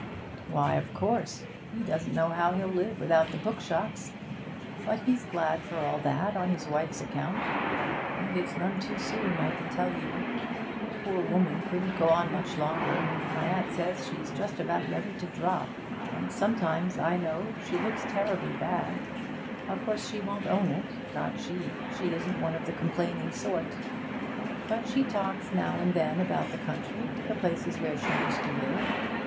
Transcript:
'Why, of course, he doesn't know how he'll live without the bookshops. But he's glad for all that, on his wife's account. And it's none too soon, I can tell you. The poor woman couldn't go on much longer; my aunt says she's just about ready to drop, and sometimes, I know, she looks terribly bad. Of course, she won't own it, not she; she isn't one of the complaining sort. But she talks now and then about the country the places where she used to live.